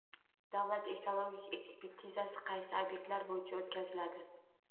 Davlat ekologik ekspertizasi qaysi ob’ektlar bo‘yicha o‘tkaziladi?